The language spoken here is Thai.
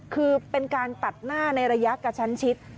คือเป็นการตัดหน้าในระยะกระชั้นชิด